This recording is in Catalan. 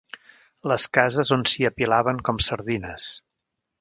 Les cases on s'hi apilaven com sardines.